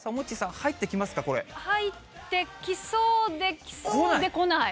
入ってきそうで、きそうで、こない。